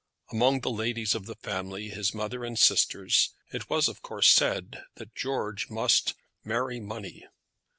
Among the ladies of the family, his mother and sisters, it was of course said that George must marry money.